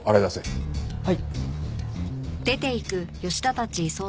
はい。